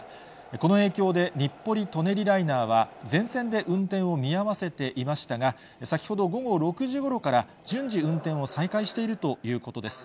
この影響で、日暮里・舎人ライナーは全線で運転を見合わせていましたが、先ほど午後６時ごろから、順次、運転を再開しているということです。